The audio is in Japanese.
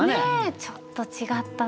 ちょっと違ったという。